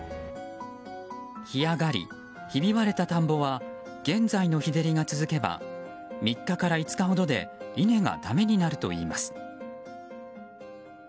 干上がり、ひび割れた田んぼは現在の日照りが続けば３日から５日ほどで稲がだめになるといいます。